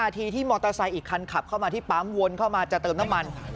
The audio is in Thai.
ทีที่มอเตอร์ไซค์อีกคันขับเข้ามาที่ปั๊มวนเข้ามาจะเติมน้ำมัน